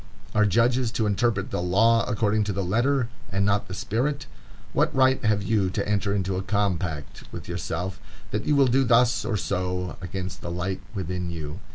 Are judges to interpret the law according to the letter, and not the spirit? What right have you to enter into a compact with yourself that you will do thus or so, against the light within you?